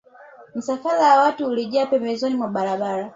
Msafara wa watu ulijaa pembezoni mwa barabara